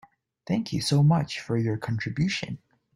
Thank you so much for your contribution.